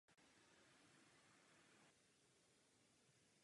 Nádražím prochází tratě Norimberk–Marktredwitz–Cheb a Řezno–Marktredwitz–Hof.